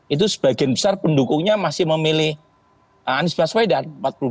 itu sebagian besar pendukungnya masih memilih anies baswedan